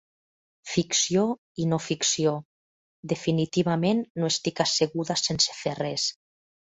Ficció i no-ficció... Definitivament no estic asseguda sense fer res.